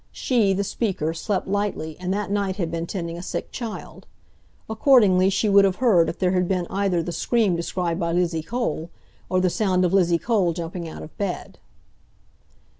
She, the speaker, slept lightly, and that night had been tending a sick child. Accordingly, she would have heard if there had been either the scream described by Lizzie Cole, or the sound of Lizzie Cole jumping out of bed.